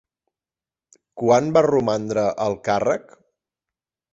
Quan va romandre al càrrec?